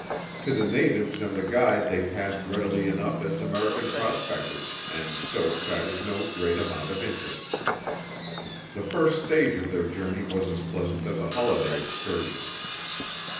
To the natives and the guide they passed readily enough as American prospectors and so excited no great amount of interest. The first stage of their journey was as pleasant as a holiday excursion.